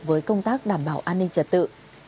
với công tác đảm bảo an ninh trật tự